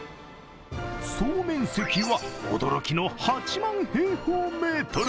総面積は驚きの８万平方メートル。